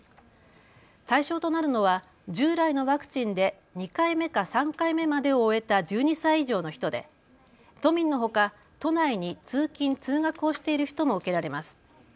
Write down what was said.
対象となるのは従来のワクチンで２回目か３回目までを終えた１２歳以上の人で都民のほか都内に通勤通学をしている人も受けられます。